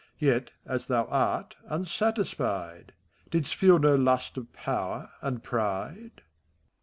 Yet, as thou art, unsatisfied. Didst feel no lust of power and pride T FAUST.